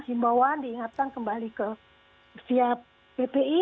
imbauan diingatkan kembali ke ppi